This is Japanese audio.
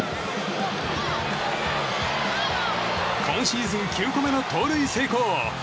今シーズン９個目の盗塁成功。